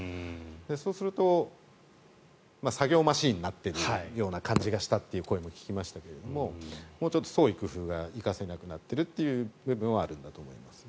そうすると、作業マシンになっているような感じがしたという声も聞きましたけれども、創意工夫が生かせなくなっている部分はあるんだと思いますね。